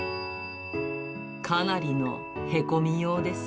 かなりのへこみようです。